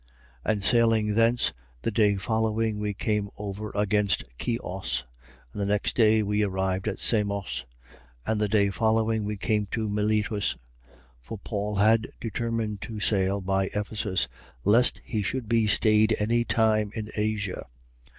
20:15. And sailing thence, the day following we came over against Chios: and the next day we arrived at Samos: and the day following we came to Miletus. 20:16. For Paul had determined to sail by Ephesus, lest he should be stayed any time in Asia.